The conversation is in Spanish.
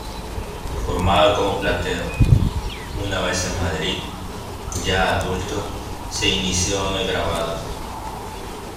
Formado como platero, una vez en Madrid, ya adulto, se inició en el grabado.